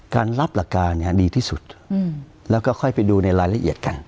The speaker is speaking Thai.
การรับหลักการเนี่ยดีที่สุดแล้วก็ค่อยไปดูในรายละเอียดกัน